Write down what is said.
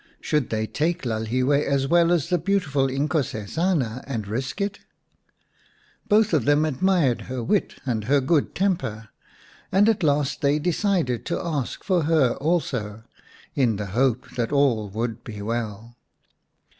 Should they take Lalhiwe as well as the beautiful Inkosesana and risk it ? Both of them admired her wit and her good temper, and at last they decided to ask for her also, in the hope that all would be well.